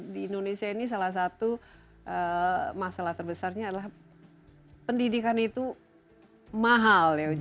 di indonesia ini salah satu masalah terbesarnya adalah pendidikan itu mahal ya